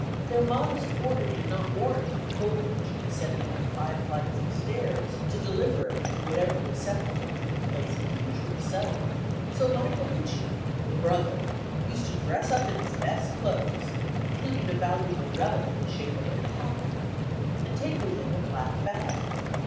Their modest order did not warrant the coal merchant sending up five flights of stairs to deliver it in whatever receptacle took the place of the usual cellar: so Michael Puccini, the brother, used to dress up in his best clothes, including a valuable relic in the shape of a "pot hat," and take with him a black bag.